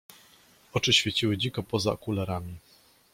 "Oczy świeciły dziko poza okularami."